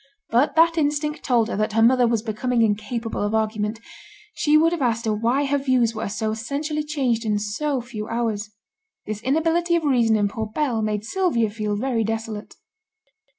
But that instinct told her that her mother was becoming incapable of argument, she would have asked her why her views were so essentially changed in so few hours. This inability of reason in poor Bell made Sylvia feel very desolate.